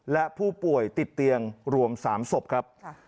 และผู้ป่วยติดเตียงรวม๓ศพครับ